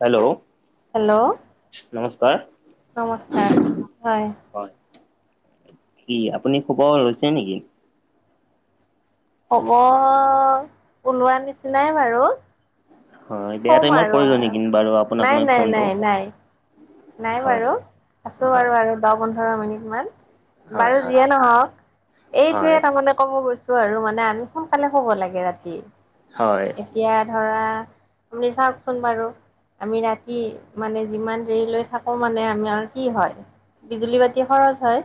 Hello, hello নমস্কাৰ নমস্কাৰ হয়। হয় কি আপুনি খোব লৈছে নেকি। হব পনোৱা নিচিনাই বাৰু হয় বেয়া ক'ম টাইমত আৰু পৰিল আৰু নেকি, বাৰু আপোনাক নাই মই নাই ফোনটো। নাই নাই নাই বাৰু হয় আছো হয় বাৰু আৰু দহ পোন্ধৰ মিনিটমান হয় বাৰু হয় যিয়ে নহওক এইটোয়ে হয় তাৰমানানে ক'ব গৈছো। আৰু মানে আমি সোনকালে শুব লাগে ৰাতি। হয়। এতিয়া ধৰা আপুনি চাওকচোন বাৰু আমি ৰাতি মানে যিমান দেৰি লৈ। থাকো মানে আমি কি হয় বিজুলী বাতি খৰচ হয়।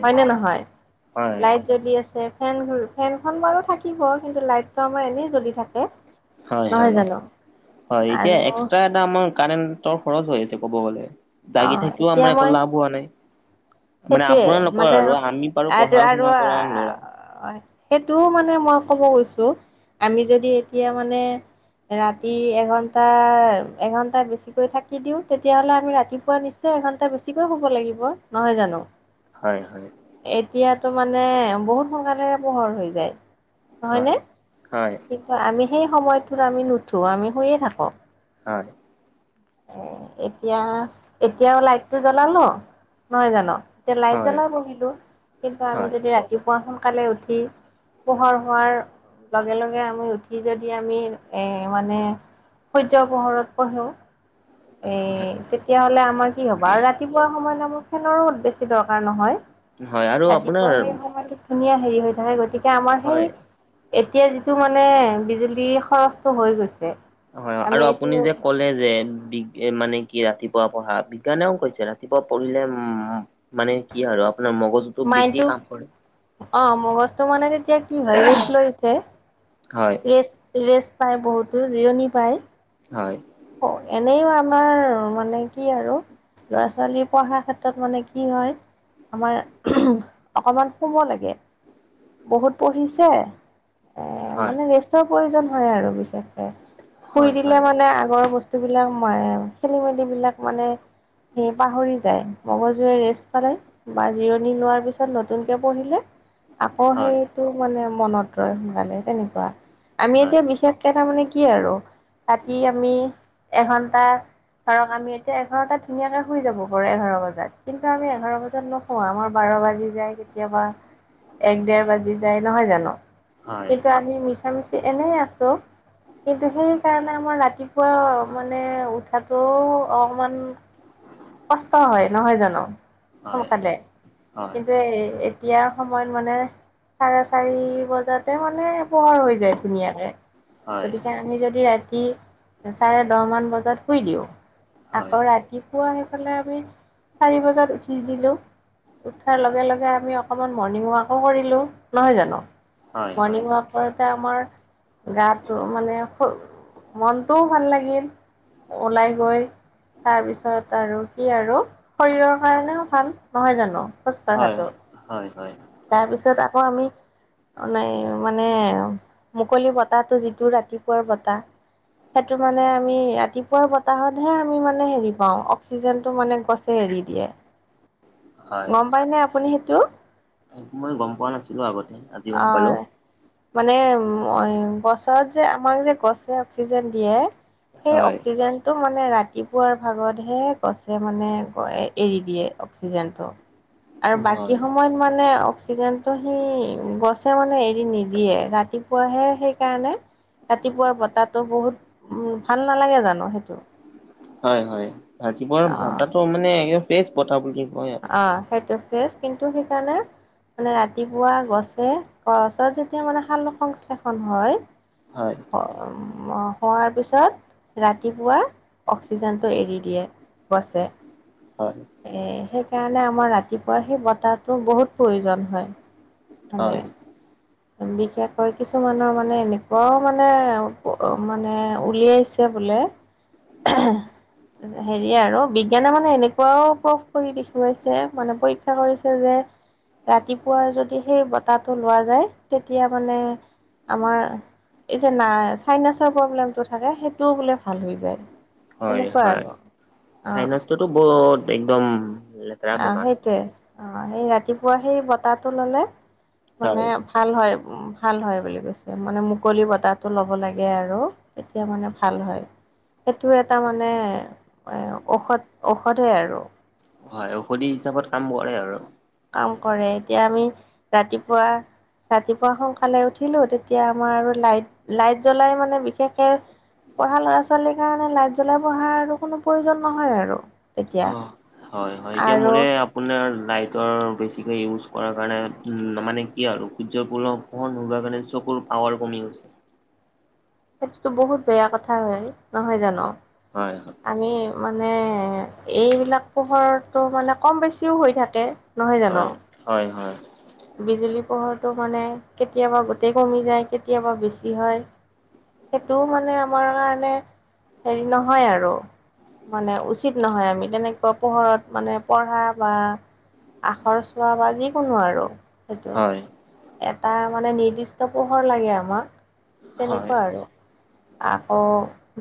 হয় নে নহয় লাইট জলি আছে। ফেন ফেনখন বাৰু থাকিব কিন্তু লাইটটো আমাৰ এনেই জ্বলি থাকে। হয় নহয় হয় জানো হয় আৰু এতিয়া এক্স্ৰা এটা আমাৰ কাৰেণ্টৰ খৰচ হৈ আছে কব গলে অ জাগি থাকিও এতিয়া আমাৰ একো মই লাভ হোৱা নাই। মানে সেইটোৱে আপোনালোকৰ মানে আৰু আমি পাৰো পঢ়া শুনা কৰা ল'ৰা। হয় সেইটোও মানে মই ক'ব গৈছোঁ আমি যদি এতিয়া মানে। ৰাতি এঘণ্টা এঘণ্টা বেছিকৈ থাকি দিওঁ তেতিয়াহ'লে আমি ৰাতিপুৱা নিচনা এঘণ্টা বেছিকৈ শুব লাগিব নহয় জানো। হয়', - হয়', এতিয়াতো মানে বহুত সোনকালে পোহৰ হৈ যায়', নহয় হয় নে, হয় কিন্তু আমি সেই সময়টোত আমি নুঠো, আমি শুইয়ে থাকোঁ', হয়', উম', এতিয়া - এতিয়াও লাইটটো জ্বলালোঁ, নহয় জানোঁ', তেতিয়া লাইট হয় জ্বলাই বনিলো, কিন্তু আমি হয় যদি ৰাতিপুৱা সোনকালে উঠি', পোহৰ হোৱাৰ, লগে - লগে আমি উঠি যদি আমি, এ মানে', সূৰ্য্যৰ পোহৰত পঢ়োঁ', হয় এ', তেতিয়াহ'লে আমাৰ কি হ'বা আৰু ৰাতিপুৱা সময়ত আমাৰ খোন ৰ'দ বেছি দৰকাৰ নহয়', হয় আৰু আপোনাৰ ৰাতিপুৱা সেই সময়টোত ধুনীয়া হেৰি হৈ থাকে গতিকে আমাৰ হয় সেই ', এতিয়া যিটো মানে বিজুলী খৰচটো হৈ গৈছে', হয়', আমি আৰু এইটো আপুনি যে ক'লে যে বিগ', মানে কি ৰাতিপুৱা পঢ়া বিজ্ঞানেও কৈছে, ৰাতিপুৱা পঢ়িলে উম', -উম', মানে কি আৰু আপোনাৰ মগজুটো মাইণ্ডটো বেছিয়ে কাম কৰে', অ', মগজটো মানে তেতিয়া কি হয় ৰেষ্ট লৈ উঠে', হয়', ৰেষ্ট - ৰেষ্ট পায় বহুতো জিৰণি পায় ', হয়', অ', এনেইও আমাৰ মানে কি, আৰু', ল'ৰা - ছোৱালী পঢ়াৰ ক্ষেত্ৰত মানে কি হয়', আমাৰ উম', -উম', অকণমান শুব লাগে', বহুত পঢ়িছে, এ', হয় মানে ৰেষ্টৰ প্ৰয়োজন হয় আৰু বিশেষকে', শুই হয় দিলে হয় মানে আগৰ বস্তুবিলাক মাৰে, খেলি-মেলি বিলাক মানে', সেই পাহৰি যায়, মগজুৱে ৰেষ্ট পালে', বা জিৰণি লোৱাৰ পিছত নতুনকে পঢ়িলে', আকৌ হয় সেইটো মানে মনত ৰয় সোনকালে তেনেকুৱা, আমি হয় এতিয়া বিশেষ', তে তাৰমানে কি আৰু ৰাতি আমি এঘন্টা', ধৰক আমি এতিয়া এঘাৰটাত ধুনীয়াকে শুই যাব পাৰোঁ এঘাৰ বজাত, কিন্তু আমি এঘাৰ বজাত নোশোঁ', অ', আমাৰ বাৰ বাজি যায় কেতিয়াবা', এক দেৰ বাজি যায় নহয় জানোঁ, হয় কিন্তু আমি মিছা - মিছি এনেই আছোঁ', কিন্তু সেইকাৰণে আমাৰ ৰাতিপুৱা মানে উঠাটোও অকণমান', কষ্ট হয় নহয় জানোঁ হয় সোনকালে, হয় কিন্তু', হেতুয়ে, এই এতিয়াৰ সময়ত মানে', চাৰে চাৰি বজাতে মানে পোহৰ হৈ যায় ধুনীয়াকে', হয় হয় গতিকে আমি যদি ৰাতি চাৰে দহমান বজাত শুই দিওঁ', হয় আকৌ ৰাতিপুৱা সেইফালে আমি চাৰি বজাত উঠি দিলোঁ', উঠাৰ লগে - লগে আমি অকণমান মৰ্ণিং ৱাকো কৰিলোঁ নহয় জানোঁ, হয় মৰ্ণিং ৱাক', তেতিয়া আমাৰ গাটো মানে শৰী', মনটোও ভাল লাগিল', ওলাই গৈ, তাৰপিছত', আৰু কি আৰু, শৰীৰৰ কাৰণেও ভাল, নহয় জানোঁ? হয়', -হয়', হয়', -হয়', তাৰপিছত আকৌ আমি', অ', নাই মানে, মুকলি বতাহটো যিটো ৰাতিপুৱাৰ বতাহ', সেইটো মানে আমি ৰাতিপুৱা বতাহতহে আমি মানে হেৰি পাওঁ, অক্সিজেনতটো মানে গছ', গছে এৰি দিয়ে, গম পাই ন আপুনি সেইটো? সেইটো মই গম পোৱা নাছিলোঁ আগতে', আজি গম পালো অহ', মানে এই', গছত যে আমাক যে গছে অক্সিজেন দিয়ে', সেই হয় অক্সিজেন', তো মানে ৰাতিপুৱাৰ ভাগতহে গছে মানে গ', এৰি দিয়ে অক্সিজেনটো', আৰু বাকী হয় সময়ত মানে অক্সিজেনটো সি গছে মানে এৰি নিদিয়ে, ৰাতিপুৱাহে সেইকাৰণে কতিপাৰ বতাহটো বহুত, ভাল নালাগে জানো সেইটো। হয় হয়, ৰাতিপুৱাৰ অ', বতাটো মানে একদম ফ্ৰেচ বত বুলি কৈ আৰু। অ', সেইটো ফ্ৰেছ, কিন্তু সেইকাৰণে মানে ৰাতিপুৱা গছে, গছত যেতিয়া মানে শাল সংশ্লেষণ হয় [inaudible] হোৱাৰ পিছত ৰাতিপুৱা, অক্সিজেনটো এৰি দিয়ে, গছে। হয়। সেইকাৰণে আমাৰ ৰাতিপুৱা সেই বতাহটো বহুত প্ৰয়োজন হয় মানে। হয় বিশেষকৈ কিছুমানৰ মানে এনেকুৱাও মানে, মানে উলিয়াইছে বোলে হেৰি আৰু বিজ্ঞানে মানে এনেকুৱাও প্ৰুভ কৰি দেখুৱাইছে, মানে পৰীক্ষা কৰিছে যে ৰাতিপুৱাৰ যদি সেই বতাহটো লোৱা যায়, তেতিয়া মানে আমাৰ, এই যে নাই চাইনাছৰ প্ৰব্লেমটো থাকে সেইটোও বোলে ভাল হৈ যায়। হয় তেনেকুৱা হয় আৰু, অ'। চাইনাছটোতো বহুত একদম লেতেৰা অ' বেমাৰ। সেইটোৱে অ, সেই ৰাতিপুৱা সেই বতাহটো ললে, মানে হয়। ভাল হয় ভাল হয় বুলি কৈছে, মানে মুকলি বতাহটো ল'ব লাগে আৰু। তেতিয়া মানে ভাল হয়। সেইটো এটা মানে, ঔষধ, ঔষধে আৰু। হয়, ঔষধি হিচাপত কাম কৰে আৰু। কাম কৰে, এতিয়া আমি ৰাতিপুৱা ৰাতিপুৱা সোনকালে উঠিলোঁ তেতিয়া আমাৰ আৰু লাইট, লাইট জ্বলাই মানে বিশেষকে পঢ়া ল'ৰা ছোৱালীৰ কাৰণে লাইট জ্বলাই বহাৰ কোনো প্ৰয়োজন নহয় আৰু। তেতিয়া অ হয় হয়, এতিয়া আৰু মোৰে আপোনাৰ লাইটৰ বেছিকৈ ইউজ কৰাৰ কাৰণে, মানে কি আৰু, সূৰ্যপূ [unintelligible] নোলোৱাৰ কাৰণে, চকুৰ পাৱাৰ কমি গছে। সেইটোতো বহুত বেয়া কথা হয়, নহয় জানো? হয়, হয়। আমি মানে, এইবিলাক পোহৰটো মানে, কম বেছিও হৈ থাকে। নহয় জানো হয়, হয়-হয়। বিজুলী পোহৰটো মানে কেতিয়াবা গোটেই কমি যায়, কেতিয়াবা বেছি হয়। সেইটোও মানে আমাৰ কাৰণে, কোনো হেৰি নহয় আৰু। মানে উচিত নহয় আমি তেনেকে পোহৰত মানে পঢ়া বা আখৰ চোৱা বা যিকোনো আৰু। সেইটো, হয় এটা মানে নিৰ্দিষ্ট পোহৰ লাগে আমাক। হয়। তেনেকুৱা আৰু, আকৌ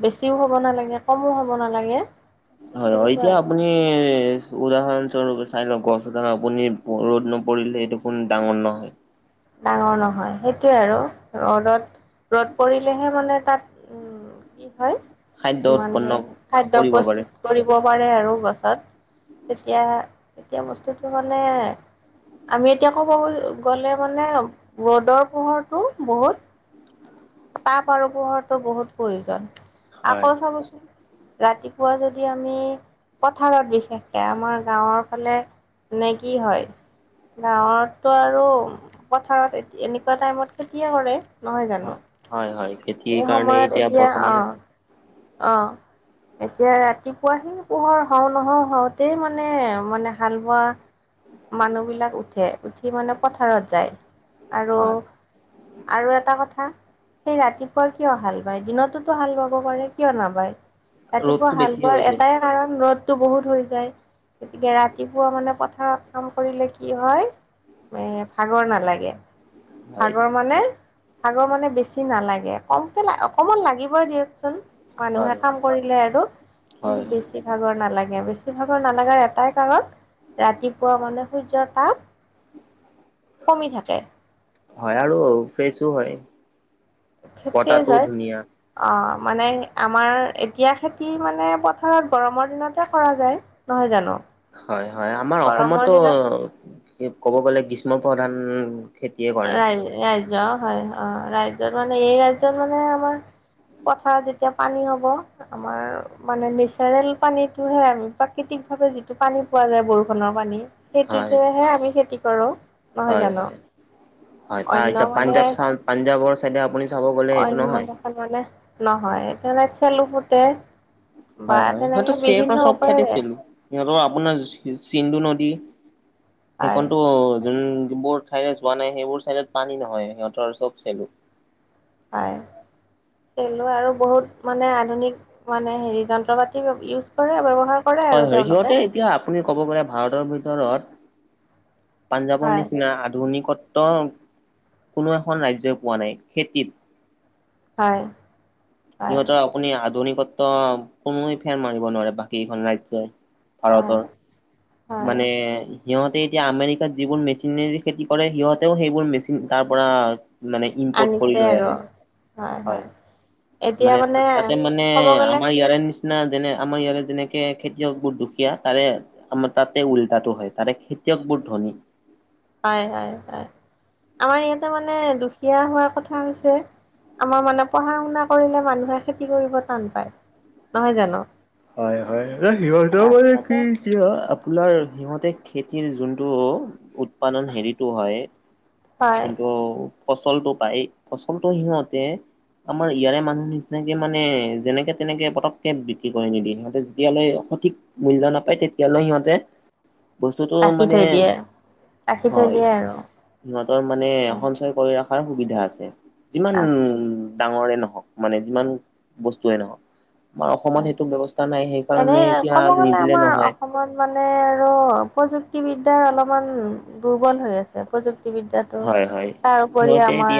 বেছিও হ'ব নালাগে, কমো হ'ব নালাগে। ঠিক হয়, তেনেকুৱা এতিয়া আৰু আপুনি ই উদাহৰণস্বৰূপে চাই লওঁ গছ এডাল আপুনি, ৰ'দ নপৰিলে দেখোন ডাঙৰ নহয়। ডাঙৰ নহয় সেইটোৱে আৰু, ৰ'দত ৰ'দ পৰিলেহে মানে তাত উ কি হয়, খাদ্য উৎপন্ন মানে খাদ্য কৰিব পাৰে। প্ৰস্তুত কৰিব পাৰে আৰু গছত, তেতিয়া, এতিয়া বস্তুটো মানে আমি এতিয়া ক'ব গ'লে মানে ৰদৰ পোহৰটো বহুত তাপ আৰু পোহটো বহুত প্ৰয়োজন, হয়। আকৌ চাবচোন ৰাতিপুৱা যদি আমি পথাৰত বিশেষকে, আমাৰ গাঁৱৰ ফালে নে কি হয় গাঁৱতো আৰু পথাৰত এনেকুৱা টাইমত খেতিয়ে কৰে, নহয় জানো। হয় হয় - হয়। খেতিৰ এই কাৰণে সময়ত এতিয়া বৰ্তমান অ ', অ ', এতিয়া ৰাতিপুৱা সেই পোহৰ হও নহও হওতেই মানে মানে হাল বোৱা মানুহ বিলাক উঠে, উঠি মানে পথাৰত যায়। আৰু হয়। আৰু এটা কথা সেই ৰাতি পুৱা কিয় হাল বায় দিনতোতো হাল বাব পাৰে কিয় নাবায়? ৰাতিপুৱা ৰ'দটো হাল বেছি হৈ বোৱাৰ যায় এটাই কাৰণ ৰ'দতটো বহুত হৈ যায়। গতিকে ৰাতিপুৱা মানে পথাৰত কাম কৰিলে কি হয় ভাগৰ নালাগে, হয়। ভাগৰ মানে ভাগৰ মানে বেছি নালাগে। কমকে অকণমান লাগিবই দিয়কচোন, হয়, মানুহে কাম কৰিলে আৰু, হয়। কিন্তু বেছি বেছিভাগৰ নালাগে বেছিভাগৰ নালাগাৰ এটাই কাৰণ ৰাতিপুৱা মানে সূৰ্যৰ তাপ কমি থাকে। হয় আৰু ফ্ৰেছো হয়। থকেই বতাহটোও যায়। ধুনীয়া। অ, মানে আমাৰ এতিয়া খেতি মানে পথাৰত গৰমৰ দিনতে কৰা যায়। নহয় জানো? হয় - হয় আমাৰ গৰমৰ অসমতো দিনত ক'ব গ'লে গ্ৰীষ্ম প্ৰধান খেতিয়ে কৰে। ৰা ৰাজ্য হয় অ, ৰাজ্যত মানে এই ৰাজ্যত মানে আমাৰ পথাৰত যেতিয়া পানী হব আমাৰ মানে নেচাৰেল পানীতটোহে আমি প্ৰাকৃতিক ভাৱে যিটো পানী পোৱা যায় বৰষুণৰ পানী। হয়, সেইটোতেহে আমি খেতি কৰো, নহয় হয়, জানো? হয়। হয় অন্য এ মানে পাঞ্জাৱ চা পাঞ্জাৱৰ চাইডে আপুনি চাব গলে এইটো অন্য নহয়। দেখোন মানে নহয় সেইকাৰণে চেলো পুতে। হয় - হয় হয়তো চেৰ সব চঠাইডে উপায়েৰে চেলো। সিহঁতৰ আপোনাৰ চিন চিন্ধু নদী হয় সেইখনতো বৰ সেয়ে যোৱা নাই সেইবোৰ চাইডত পানী নহয় সিহঁতৰ চব চাই হয়। চেলৈ আৰু বহুত মানে আধুনিক মানে হেৰি যন্ত্ৰ পাতি ইউজ কৰে ব্যৱহাৰ কৰে হয় আৰু - হয় তেওঁলোকে সিহঁতে এতিয়া আপুনি ক'ব গ'লে ভাৰতৰ ভিতৰত পাঞ্জাৱৰ হয় নিচিনা আধুনিকত্ব কোনো এখন ৰাজ্যই পোৱা নাই খেতিত। হয়। হয় সিহঁতৰ আপুনি আধুনিকত্ব কোনোৱে ফেৰ মাৰিব নোৱাৰে বাকী কেইখন ৰাজ্যই। ভাৰতৰ। হয় হয় মানে সিহঁতে এতিয়া আমেৰিকাত যিবোৰ মেচিনেৰ খেতি কৰে, সিহঁতেও সেইবোৰ মেচিন তাৰ পৰা মানে ইম্পৰ্ট কৰি আনিছে লৈ আৰু আহে হয়। মানে তাত তাতে মানে ক'ব গ'লে আমাৰ ইয়াৰে নিচিনা যেনে আমাৰ ইয়াৰে যেনেকে খেতিয়ক বহুত দুখীয়া তাৰে আমাৰ তাতে উল্টাটো হয় তাতে খেতিয়কবোৰ ধনী। হয় - হয় - হয় আমাৰ ইয়াতে মানে দুখীয়া হোৱাৰ কথা হৈছে। আমাৰ মানে পঢ়া শুনা কৰিলে মানুহে খেতি কৰিব টান পায় নহয় জানো। হয়-হয় সিহঁতেও মানে আচলতে কি প্ৰিয় আপোনাৰ সিহঁতে খেতিৰ যোনটো উৎপাদন হেৰিটো হয় হয় যোনটো ফচলটো পায় ফচলটো সিহঁতে আমাৰ ইয়াৰে মানুহ নিচিনাকে মানে যেনেকে তেনেকে পতককে বি বিকি কৰি নিদিয়ে সিহঁতে যেতিয়ালৈ সঠিক মূল্য নাপায় তেতিয়ালৈ সিহঁতে বস্তুটো ৰাখি মানে থৈ দিয়ে ৰাখি থৈ হয়। দিয়ে আৰু সিহঁতৰ মানে সঞ্চয় কৰি ৰখাৰ সুবিধা আছে যিমান আছে ডাঙৰে নহওক। মানে যিমান বস্তুৱে নহক আমাৰ অসম হয় টো ব্যৱস্থা নাই সেই কাৰণে এতিয়া নিদিলে নহয়। কম মানে আৰু প্ৰযুক্তিবিদ্যাৰ অলপমান দুৰ্বল হৈ আছে। এ প্ৰযুক্তিবিদ্যাটো হয় হয় তাৰউপৰি সিহঁতে আমাৰ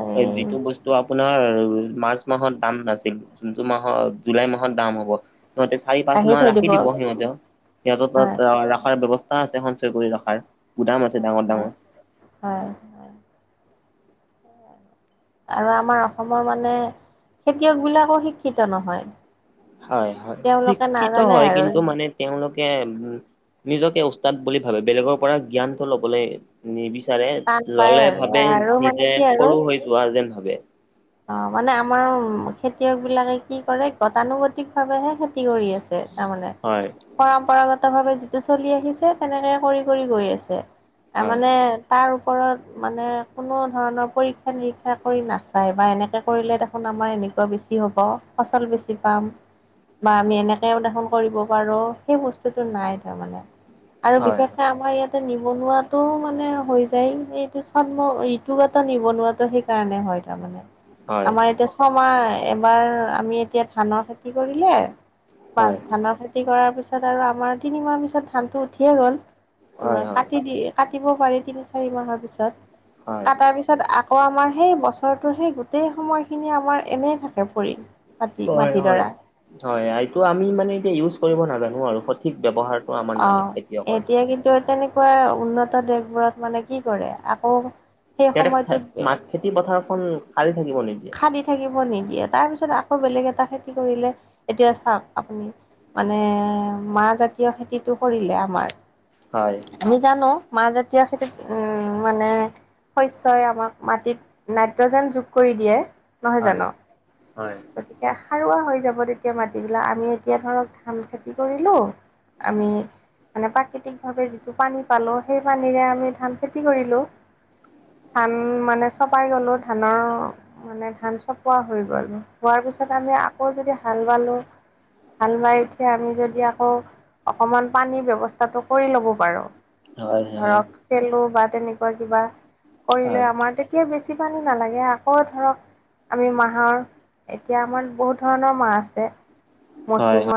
এই ত'আপোনাৰ মাৰ্চ মাহত দাম নাছিল। যোনটো মাহৰ জুলাই মাহত দাম হ'ব সিহঁতে চাৰি, পাঁচ মাহ ৰাখি দিব সিহঁতেও সিহঁতৰ হয় তাত ৰাখাৰ ব্যৱস্থা আছে সঞ্চয় কৰি ৰাখাৰ। গুদাম আছে হয় ডাঙৰ- হয় ডাঙৰ। হয়। আৰু আমাৰ অসমৰ মানে খেতিয়কবিলাকো শিক্ষিত নহয়। হয়- হয় তেওঁলোকে শিক্ষিত নাজানে হয় আৰু কিন্তু মানে তেওঁলোকে উম, নিজকে উস্তাদ বুলি ভাবে বেলেগৰ পৰা জ্ঞানটো লবলে নিবিচাৰে টান পায় ল'লে আৰু ভাবে আৰু মানে নিজে কি আৰু সৰু হৈ যোৱা যেন ভাবে। অ, মানে আমাৰ খেতিয়ক বিলাকে কি কৰে গতানুগতিক ভাৱেহে খেতি খেতি কৰি আছে তাৰমানে। হয় পৰম্পৰাগত ভাৱে যিটো চলি আহিছে তেনেকে কৰি- কৰি গৈ আছে আ হয় মানে তাৰ ওপৰত মানে কোনো ধৰণৰ পৰীক্ষা নিৰীক্ষা কৰি নাছ নাই বা এনেকে কৰিলে দেখোন আমাৰ এনেকুৱা বেছি হ'ব ফচল বেছি পাম বা আমি এনেকেও দেখুন কৰিব পাৰোঁ সেই বস্তুটো নাই তাৰমানে। আৰু হয় বিশেষকে আমাৰ ইয়াত তে নিবনুৱাটো মানে হৈ যায় এইটো চন্ম ঋতুগত নিবনুৱাটো সেইকাৰণে হয়। তাৰমানে হয় আমাৰ এতিয়া ছমাহ এবাৰ আমি এতিয়া ধানৰ খেতি কৰিলে বাচ হয় ধানৰ খেতি কৰাৰ পিছত আৰু আমাৰ তিনিমাহ পিছত ধানটো উঠিয়ে গ'ল। হয় [unintelligible] হয় কাটি দিয়ে কাটিব পাৰি তিনি, চাৰি মাহৰ পিছত হয় কাটাৰ পিছত তাৰপিছত আকৌ আমাৰ সেই বছৰটো সেই গোটেই সময়খিনি আমাৰ এনেই থাকে পৰি। মাটি হয়- হয়- মাটিডৰা হয় এইটো আমি মানে এতিয়া ইউজ কৰিব নাজানো আৰু সত ঠিক ব্যৱহাৰটো আমাৰ নাই অ', খেতিয়কৰ। এতিয়া কিন্তু তেনেক কোৱা উন্নত দেশবোৰত মানে কি কৰে আকৌ সেই সিহঁতে সময়টোত মাত খেতি পথাৰখন খালী থাকিব নিদিয়ে। খালি থাকিব নিদিয়ে তাৰ পিছত আকৌ বেলেগ এটা খেতি কৰিলে এতিয়া চাওক আপুনি মানে মাহ জাতীয় খেতিটো কৰিলে আমাৰ হয়। আমি জানো মাহ জাতীয় খেতিত উম, মানে শস্যই আমাক মাটিত নাইট্ৰজেন যোগ কৰি দিয়ে। নহয় জানো? হয়- হয় গতিকে সাৰুৱা হৈ যাব তেতিয়া মাটিবিলাক আমি এতিয়া ধৰক ধান খেতি কৰিলোঁ আমি মানে প্ৰাকৃতিক ভাৱে যিটো পানী পালো সেই পানীৰে আমি ধান খেতি কৰিলোঁ। ধান মানে চপাই গ'লোঁ ধানৰ মানে ধান চপোৱা হৈ গ'ল। হোৱাৰ পিছত আমি আকৌ যদি হাল বালো হাল বাই উঠি আমি যদি আকৌ অকমান পানীৰ ব্যৱস্থাটো কৰি ল'ব পাৰো। হয় হয় ধৰক খেলো বা তেনেকুৱা কিবা হয় হয় কৰিলে আমাৰ তে কে বেছি পানী নালাগে আকৌ ধৰক আমি মাহৰ এতিয়া আমাৰ বহুত ধৰণৰ মাহ আছে মচুৰ হয় মাহ